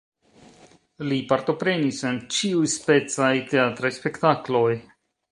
Li partoprenis en ĉiuspecaj teatraj spektakloj.